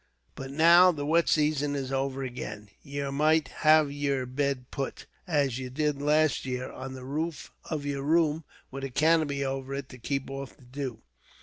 But now the wet season is over again, ye might have yer bed put, as ye did last year, on the roof of your room, with a canopy over it to keep off the dew.